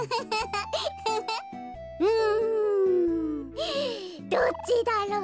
うん。どっちだろう。